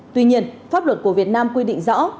tuy nhiên pháp luật của việt nam quy định rõ